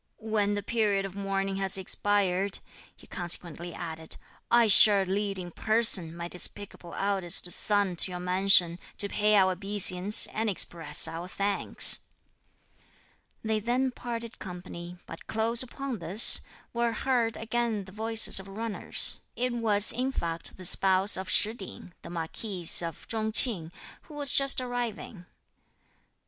"When the period of mourning has expired," he consequently added, "I shall lead in person, my despicable eldest son to your mansion, to pay our obeisance, and express our thanks." They then parted company, but close upon this, were heard again the voices of runners. It was, in fact, the spouse of Shih Ting, the marquis of Chung Ching, who was just arriving.